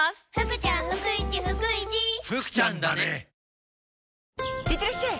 ニトリいってらっしゃい！